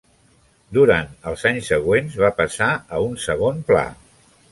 Durant els anys següents va passar a un segon pla.